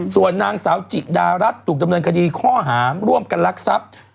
ส่วนนางสาวจิดารัฐถูกดำเนินคดีข้อหาร่วมกันลักทรัพย์